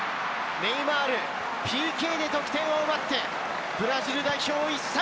ネイマール、ＰＫで得点を奪って、ブラジル代表１対０。